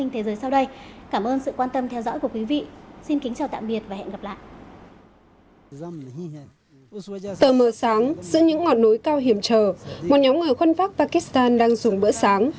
tờ mờ sáng giữa những ngọn núi cao hiểm trở một nhóm người khuân pháp pakistan đang dùng bữa sáng